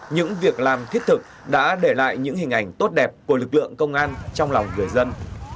những việc làm thiết thực đã để lại những hình ảnh tốt đẹp của lực lượng công an trong lòng người dân